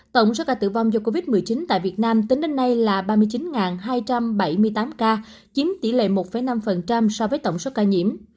tổng số ca tử vong do covid một mươi chín tại việt nam tính đến nay là ba mươi chín hai trăm bảy mươi tám ca chiếm tỷ lệ một năm so với tổng số ca nhiễm